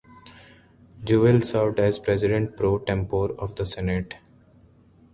Jewell served as president pro tempore of the senate.